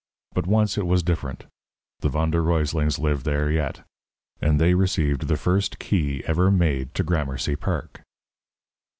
But once it was different. The Von der Ruyslings live there yet, and they received the first key ever made to Gramercy Park.